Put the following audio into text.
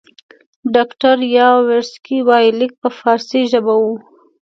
ډاکټر یاورسکي وایي لیک په فارسي ژبه وو.